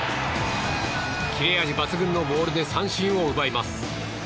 切れ味抜群のボールで三振を奪います。